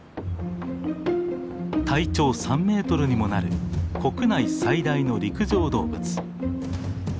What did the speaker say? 体長３ｍにもなる国内最大の陸上動物。